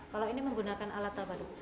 kalau ini menggunakan alat apa dulu